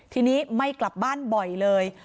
ทีนี้ไม่กลับบ้านบ่อยเลย